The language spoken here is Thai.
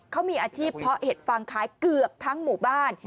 เขามีอาชีพเพาะเห็ดฟางขายเกือบทั้งหมู่บ้าน